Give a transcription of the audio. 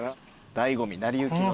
醍醐味なりゆきの。